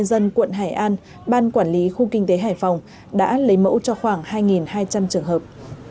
dân quận hải an ban quản lý khu kinh tế hải phòng đã lấy mẫu cho khoảng hai hai trăm linh trường hợp